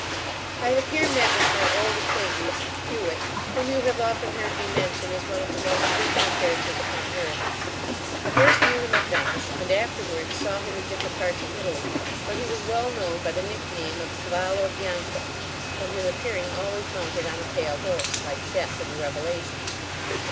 I have here met with my old acquaintance, H[ewet]t, whom you have often heard me mention as one of the most original characters upon earth I first knew him at Venice, and afterwards saw him in different parts of Italy, where he was well known by the nick name of Cavallo Bianco, from his appearing always mounted on a pale horse, like Death in the Revelations.